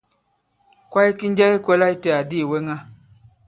Kwaye ki njɛ ki kwɛ̄lā itē àdì ìwɛŋa?